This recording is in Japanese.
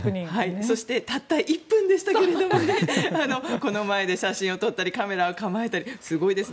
そしてたった１分でしたけどこの前で写真を撮ったりカメラを構えたりすごいですね。